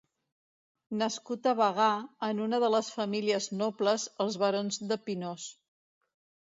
Nascut a Bagà, en una de les famílies nobles, els barons de Pinós.